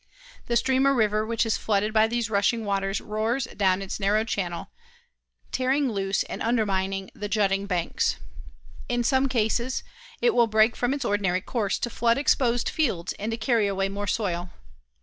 The stream or river which is flooded by these rushing waters roars down its narrow channel, tearing loose and undermining the jutting banks. In some cases, it will break from its ordinary course to flood exposed fields and to carry away more soil.